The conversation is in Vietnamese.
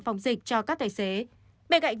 phòng dịch cho các tài xế bên cạnh